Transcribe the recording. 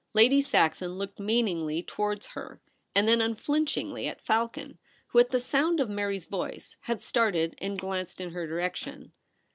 Lady Saxon looked meaningly towards her and then unflinchingly at Falcon, who, at the sound of Mary's voice, had started and glanced in her direction.